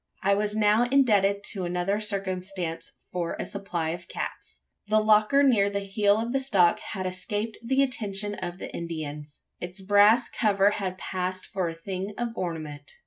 I was now indebted to another circumstance for a supply of caps. The locker near the heel of the stock had escaped the attention of the Indians. Its brass cover had passed for a thing of ornament.